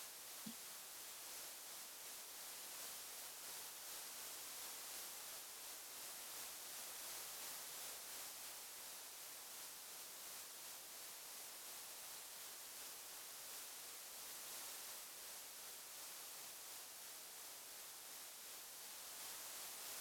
نه اتوم دومره کوچنی دی چې په عادي سترګو نه لیدل کیږي.